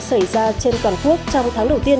xảy ra trên toàn quốc trong tháng đầu tiên